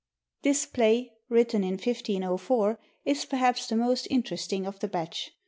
_ This play, written in 1504, is perhaps the most interesting of the batch.